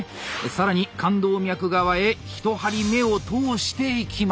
更に冠動脈側へ１針目を通していきます。